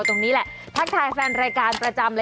ตรงนี้แหละทักทายแฟนรายการประจำเลย